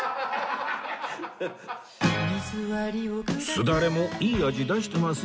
すだれもいい味出してますよ